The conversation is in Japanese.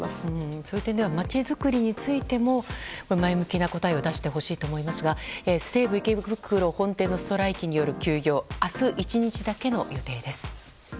そういう点では街づくりについても前向きな答えを出してほしいと思いますが西武池袋本店のストライキによる休業は明日１日だけの予定です。